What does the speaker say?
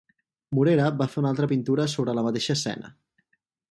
Morera va fer una altra pintura sobre la mateixa escena.